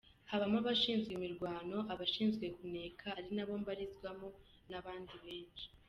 Habamo abashinzwe imirwano, abashinzwe kuneka ari nabo mbarizwamo n’abandi benshi.